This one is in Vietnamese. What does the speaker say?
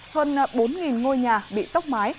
hơn bốn ngôi nhà bị tóc mái